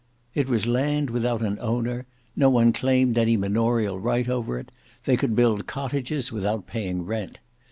It was land without an owner; no one claimed any manorial right over it; they could build cottages without paying rent.